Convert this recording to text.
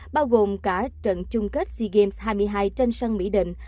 bao gồm cả trận chung kết sea games hai mươi hai trên sân mỹ định